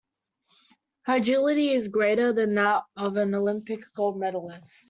Her agility is greater than that of an Olympic gold medalist.